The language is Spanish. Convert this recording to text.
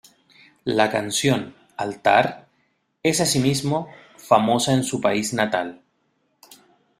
La canción "Altar" es, asimismo, famosa en su país natal.